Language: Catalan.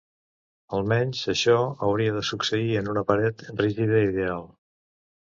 Almenys, això hauria de succeir en una paret rígida ideal.